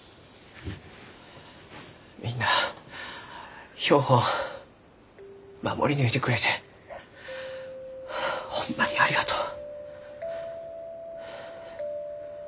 みんな標本守り抜いてくれてホンマにありがとう。